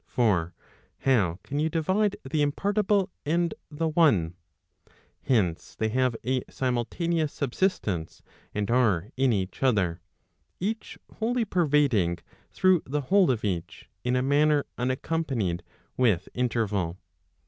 For how can you divide the impartible and the one f Hence, they have a simultaneous subsistence, and are in each other, .each wholly pervading through the whole of each, in a manner unaccompanied with interval.